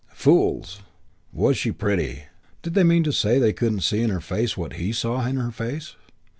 Fools! Was she pretty! Did they mean to say they couldn't see in her face what he saw in her face?